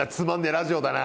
ラジオだな！